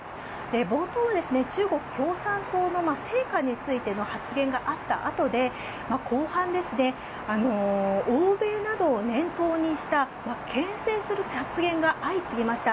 冒頭、中国共産党の成果についての発言があったあとで後半、欧米などを念頭にしたけん制する発言が相次ぎました。